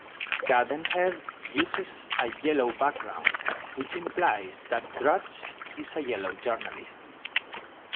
Cadenhead uses a yellow background, which implies that Drudge is a yellow journalist.